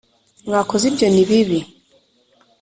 Mwakoze ibyo ni bibi